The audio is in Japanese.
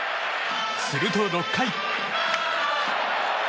すると６回。